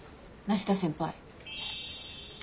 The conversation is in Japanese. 梨田先輩。